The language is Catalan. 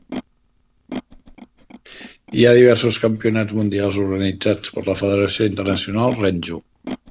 Hi ha diversos campionats mundials organitzats per la Federació Internacional Renju.